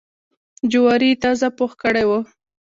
جواري یې تازه پوخ کړی و.